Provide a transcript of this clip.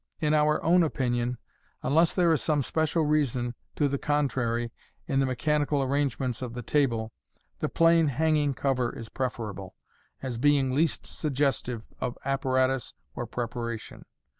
In our own opinion, unless there is some special reason to the contranr in the mechanical arrangements of the table, the plain MODERN MAGIC hanging cover is preferable, as being least suggestive of apparatus or preparation.